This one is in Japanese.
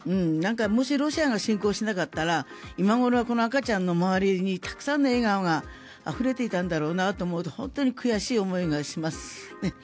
もしロシアが侵攻していなかったら今頃はこの赤ちゃんの周りにたくさんの笑顔があふれていたんだろうなと思うと本当に悔しい思いがします。